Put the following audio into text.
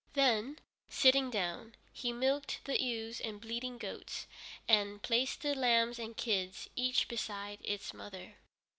Then, sitting down, he milked the ewes and bleating goats, and placed the lambs and kids each beside its own mother.